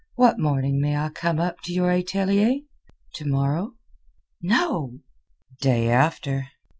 What morning may I come up to your atelier? To morrow?" "No!" "Day after?"